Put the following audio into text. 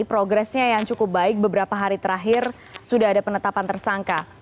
progresnya yang cukup baik beberapa hari terakhir sudah ada penetapan tersangka